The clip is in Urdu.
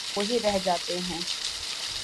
وہی رہ جاتے ہیں۔